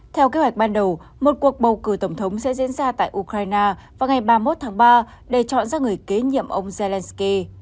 theo kế hoạch ban đầu một cuộc bầu cử tổng thống sẽ diễn ra tại ukraine vào ngày ba mươi một tháng ba để chọn ra người kế nhiệm ông zelensky